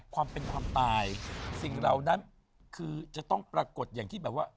ความเป็นความตายสิ่งเหล่านั้นคือจะต้องปรากฏอย่างที่แบบว่า